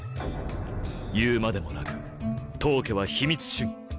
言うまでもなく当家は秘密主義。